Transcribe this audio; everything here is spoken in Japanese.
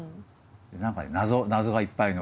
何か謎がいっぱいの。